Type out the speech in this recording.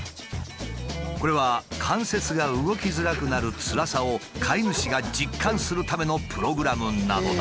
これは関節が動きづらくなるつらさを飼い主が実感するためのプログラムなのだ。